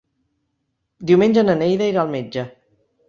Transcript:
Diumenge na Neida irà al metge.